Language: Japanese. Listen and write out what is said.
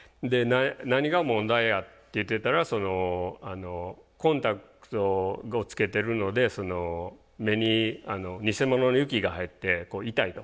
何が問題やって言ってたらコンタクトをつけてるので目に偽物の雪が入って痛いと。